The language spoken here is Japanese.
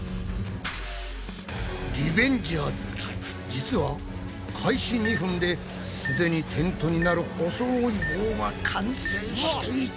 実は開始２分ですでにテントになる細い棒が完成していた！